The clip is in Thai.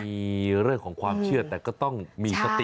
มีเรื่องของความเชื่อแต่ก็ต้องมีสติ